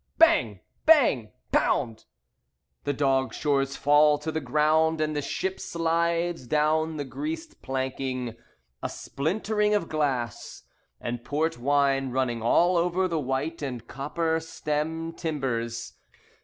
Bang! Bang! Pound! The dog shores fall to the ground, And the ship slides down the greased planking. A splintering of glass, And port wine running all over the white and copper stem timbers.